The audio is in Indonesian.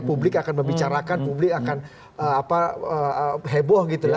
publik akan membicarakan publik akan heboh gitu ya